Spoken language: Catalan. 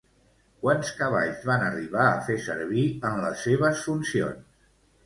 Quants cavalls van arribar a fer servir en les seves funcions?